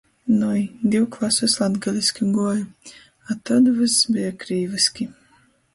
Nui, div klasus latgaliski guoju, a tod vyss beja krīvyski.